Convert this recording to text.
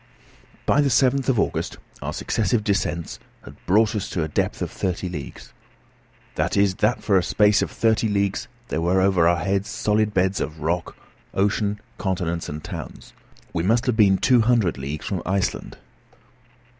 By the 7th of August our successive descents had brought us to a depth of thirty leagues; that is, that for a space of thirty leagues there were over our heads solid beds of rock, ocean, continents, and towns. We must have been two hundred leagues from Iceland.